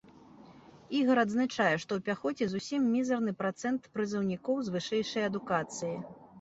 Ігар адзначае, што ў пяхоце зусім мізэрны працэнт прызыўнікоў з вышэйшай адукацыяй.